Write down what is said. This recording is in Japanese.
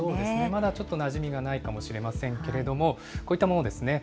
まだちょっとなじみがないかもしれませんけれども、こういったものですね。